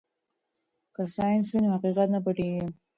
که ساینس وي نو حقیقت نه پټیږي.